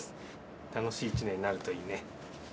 楽しい一年になるといいね。